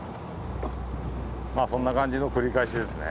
まあそんな感じの繰り返しですね。